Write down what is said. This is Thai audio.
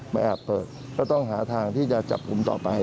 แอบเปิดก็ต้องหาทางที่จะจับกลุ่มต่อไป